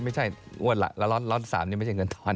ไม่ใช่รถ๓นี่ไม่ใช่เงินท้อน